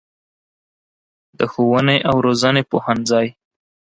د ښوونې او روزنې پوهنځی